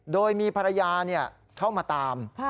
โดยมีภรรยาเข้ามาตาม